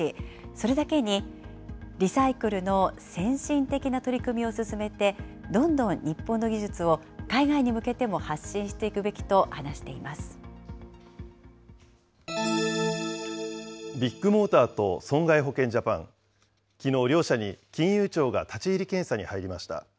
それだけに、リサイクルの先進的な取り組みを進めて、どんどん日本の技術を海外に向けても発信していくべきと話していビッグモーターと損害保険ジャパン、きのう、両社に金融庁が立ち入り検査に入りました。